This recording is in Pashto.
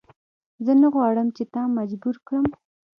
زه نه غواړم چې تا مجبور کړم.